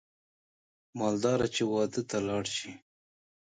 مالداره چې واده ته لاړ شي